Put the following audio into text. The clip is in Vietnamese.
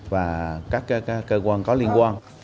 và các cơ quan có liên quan